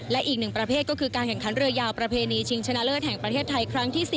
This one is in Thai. และอีกหนึ่งประเภทก็คือการแข่งขันเรือยาวประเพณีชิงชนะเลิศแห่งประเทศไทยครั้งที่๔